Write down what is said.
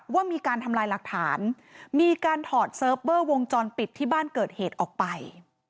ว่ามีการทำลายหลักฐานมีการถอดเซิร์ฟเวอร์วงจรปิดที่บ้านเกิดเหตุออกไป